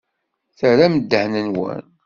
Terram ddehn-nwen.